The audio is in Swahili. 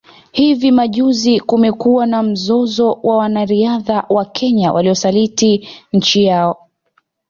Hivi majuzi kumekuwa na mzozo wa wanariadha wa Kenya waliosaliti nchi yao